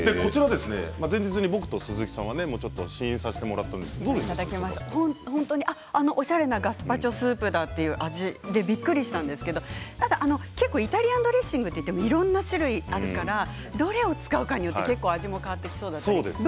前日に僕と鈴木さんは試飲させてもらったんですが本当におしゃれなガスパチョスープだという味でびっくりしたんですけれどもイタリアンドレッシングといっても、いろいろな種類があるから、どれを使うかによって味も変わってくるかもしれないですね。